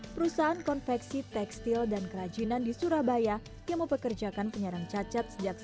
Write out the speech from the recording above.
perusahaan konveksi tekstil dan kerajinan di surabaya yang mempekerjakan penyandang cacat sejak seribu sembilan ratus sembilan puluh